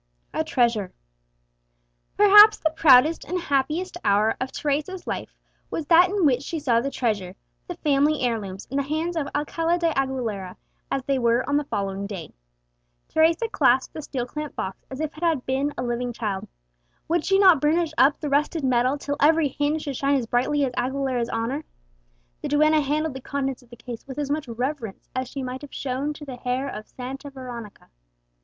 A TREASURE. Perhaps the proudest and happiest hour of Teresa's life was that in which she saw the treasure, the family heirlooms, in the hands of Alcala de Aguilera, as they were on the following day. Teresa clasped the steel clamped box as if it had been a living child. Would she not burnish up the rusted metal till every hinge should shine as brightly as Aguilera's honour! The duenna handled the contents of the case with as much reverence as she might have shown to the hair of Santa Veronica!